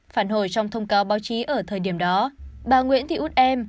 phản hồi trong thông cáo báo chí ở thời điểm đó bà nguyễn thị út em